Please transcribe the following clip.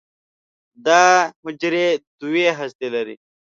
دا حجرې دوه هستې لري.